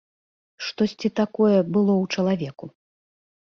Штосьці такое было ў чалавеку.